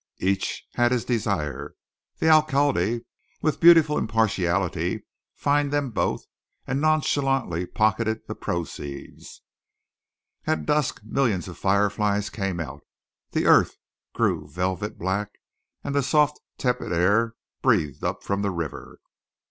Each had his desire. The alcalde, with beautiful impartiality, fined them both; and nonchalantly pocketed the proceeds. At dusk millions of fireflies came out, the earth grew velvet black, and the soft, tepid air breathed up from the river.